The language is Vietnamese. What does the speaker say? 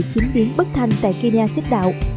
chính biến bất thành tại kyria xếp đạo